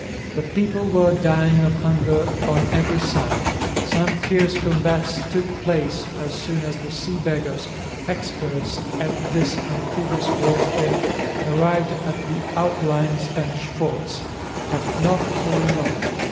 The people were dying of hunger on every side. Some fierce combats took place as soon as the Sea Beggars, experts at this amphibious warfare, arrived at the outlying Spanish forts, but not for long.